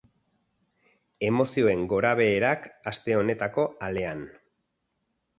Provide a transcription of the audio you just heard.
Emozioen gorabeherak aste honetako alean.